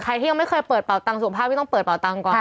ใครที่ยังไม่เคยเปิดเป่าตังสุภาพที่ต้องเปิดเป่าตังค์ก่อน